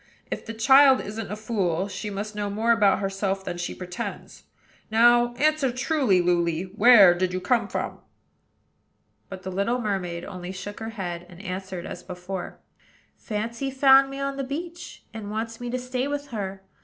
If the child isn't a fool, she must know more about herself than she pretends. Now, answer truly, Luly, where did you come from?" But the little mermaid only shook her head, and answered as before, "Fancy found me on the beach, and wants me to stay with her.